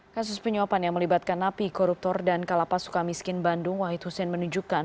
kasus penyuapan yang melibatkan napi koruptor dan kalapas suka miskin bandung wahid hussein menunjukkan